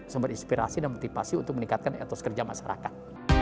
sumber inspirasi dan motivasi untuk meningkatkan etos kerja masyarakat